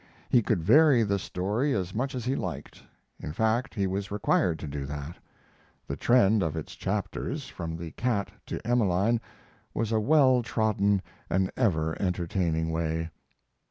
He could vary the story as much as he liked. In fact, he was required to do that. The trend of its chapters, from the cat to "Emeline," was a well trodden and ever entertaining way.